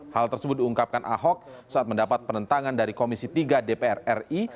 hal tersebut diungkapkan ahok saat mendapat penentangan dari komisi tiga dpr ri